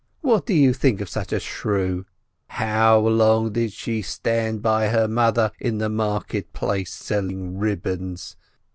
What do you think of such a shrew ? How long did she stand by her mother in the market selling ribbons?